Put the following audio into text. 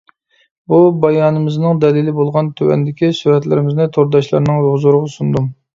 بۇ بايانىمىزنىڭ دەلىلى بولغان تۆۋەندىكى سۈرەتلىرىمىزنى تورداشلارنىڭ ھۇزۇرىغا سۇندۇم.